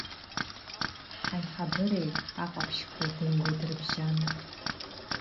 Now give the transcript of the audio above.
Аиҳабыреи аҟаԥшьқәеи дыҩуа дрыбжьан.